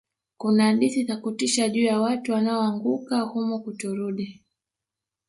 kuna hadithi za kutisha juu ya watu wanaoanguka humo kutorudi